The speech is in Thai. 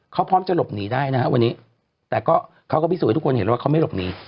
เขาพร้อมจะหลบหนีได้นะฮะวันนี้แต่ก็เขาก็พิสูจนให้ทุกคนเห็นแล้วว่าเขาไม่หลบหนี